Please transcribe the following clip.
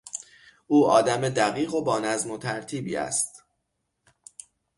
او آدم دقیق و با نظم و ترتیبی است.